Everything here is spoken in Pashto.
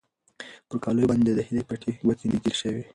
پر کالیو باندې د هیلې پنډې ګوتې تېرې شوې.